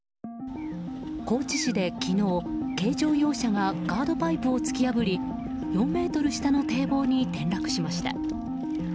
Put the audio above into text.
高知市で昨日、軽乗用車がガードパイプを突き破り４ｍ下の堤防に転落しました。